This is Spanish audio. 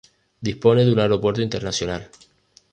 Dispone de un aeropuerto internacional.